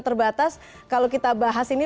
terbatas kalau kita bahas ini